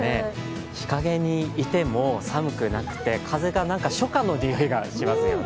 日陰にいても寒くなくて風が初夏の匂いがしますよね。